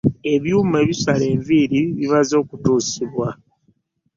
Ebyuma ebisala enviiri bimaze okutuusibwa.